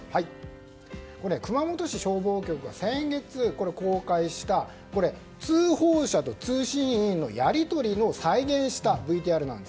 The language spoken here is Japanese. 熊本市消防局が先月公開した通報者と通信員のやり取りを再現したＶＴＲです。